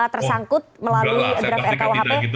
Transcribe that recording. tersangkut melalui rkuhp